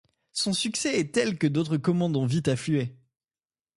Son succès est tel que d'autres commandes ont vite afflué.